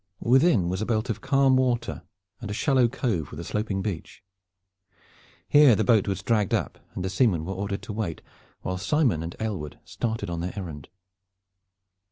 Within was a belt of calm water and a shallow cover with a sloping beach. Here the boat was dragged up and the seamen were ordered to wait, while Simon and Aylward started on their errand.